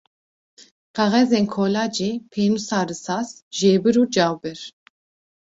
Kaxezên kolacê, pênûsa risas, jêbir û cawbir.